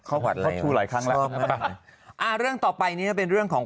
เข้ารอบทัวร์หลายครั้งแล้วเอ้าเรื่องต่อไปเนี้ยเป็นเรื่องของ